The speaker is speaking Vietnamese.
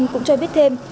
cũng cho biết thêm